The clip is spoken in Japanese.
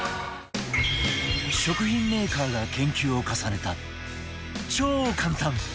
食品メーカーが研究を重ねた超簡単！